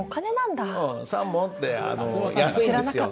三文って安いんですよ。